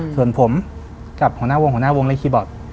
ส่วนผมกับหัวหน้าวงหัวหน้าวงและคีย์บอร์ด